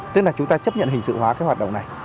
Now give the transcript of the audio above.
tức là chúng ta chấp nhận hình sự hóa cái hoạt động này